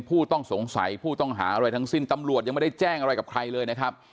ผู้ต้องสงสัยผู้ต้องหาอะไรทั้งสิ้นตำรวจยังไม่ได้แจ้งอะไรกับใครเลยนะครับ